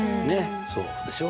そう。でしょ。